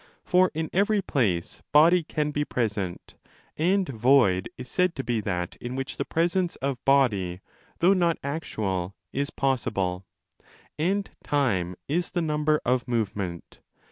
For in every place body can be present ; and void is said to be that in which the presence of body, though not actual, is possible; and time is the number of movement.